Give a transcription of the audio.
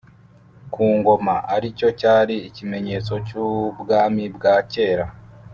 ku Ngoma aricyo cyari ikimenyetso cy’Ubwami bwa kera